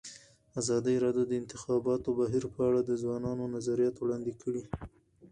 ازادي راډیو د د انتخاباتو بهیر په اړه د ځوانانو نظریات وړاندې کړي.